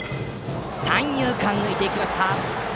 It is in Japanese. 三遊間を抜いていきました。